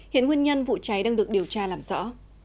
hiện nguyên nhân vụ cháy đang được điều tra làm rõ